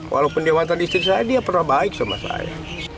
walaupun dia mantan istri saya dia pernah baik sama saya